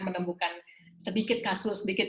menemukan sedikit kasus sedikit